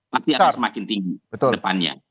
pasti akan semakin tinggi ke depannya